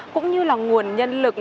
cũng như là nguồn nhân lực